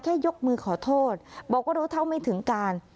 ยกมือขอโทษบอกว่ารู้เท่าไม่ถึงการ